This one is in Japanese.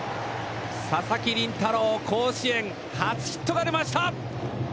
佐々木麟太郎、甲子園初ヒットが出ました！